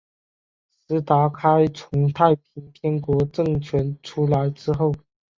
石达开从太平天国政权出走之后。